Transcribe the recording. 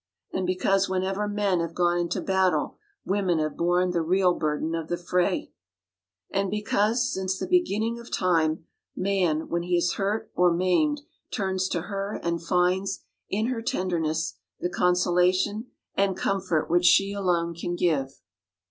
And because whenever men have gone into battle, women have borne the real burden of the fray, And because since the beginning of time, man when he is hurt or maimed turns to her and finds, in her tenderness, the consolation and comfort which she alone can give.